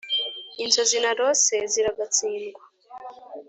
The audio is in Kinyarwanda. inzozi narose ziragatsindwa !